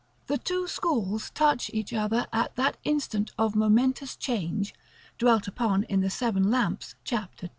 The two schools touch each other at that instant of momentous change, dwelt upon in the "Seven Lamps," chap, ii.